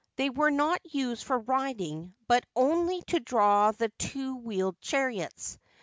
They were not used for riding, but only to draw the two wheeled chariots.